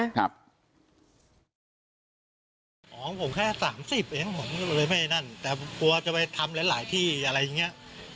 ของผมแค่๓๐เองผมก็เลยไม่นั่นแต่กลัวจะไปทำหลายที่อะไรอย่างนี้